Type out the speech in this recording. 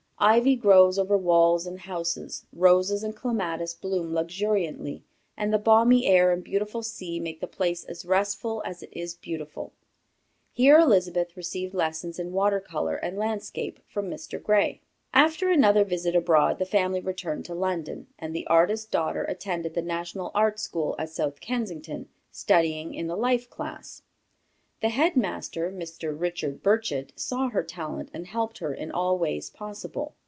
Ivy grows over walls and houses, roses and clematis bloom luxuriantly, and the balmy air and beautiful sea make the place as restful as it is beautiful. Here Elizabeth received lessons in water color and landscape from Mr. Gray. After another visit abroad the family returned to London, and the artist daughter attended the National Art School at South Kensington, studying in the life class. The head master, Mr. Richard Burchett, saw her talent, and helped her in all ways possible.